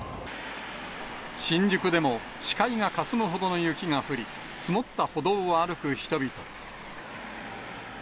新宿でも、視界がかすむほどの雪が降り、積もった歩道を歩く人々。